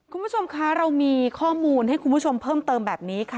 คุณผู้ชมคะเรามีข้อมูลให้คุณผู้ชมเพิ่มเติมแบบนี้ค่ะ